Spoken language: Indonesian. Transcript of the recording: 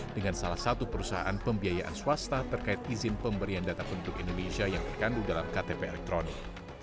dengan salah satu perusahaan pembiayaan swasta terkait izin pemberian data penduduk indonesia yang terkandung dalam ktp elektronik